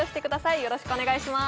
よろしくお願いします